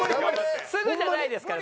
すぐじゃないですから。